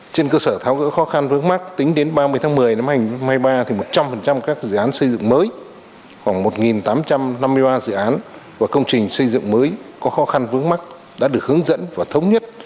trên cơ sở tháo gỡ khó khăn vướng mắt tính đến ba mươi tháng một mươi năm hai nghìn hai mươi ba một trăm linh các dự án xây dựng mới khoảng một tám trăm năm mươi ba dự án và công trình xây dựng mới có khó khăn vướng mắt đã được hướng dẫn và thống nhất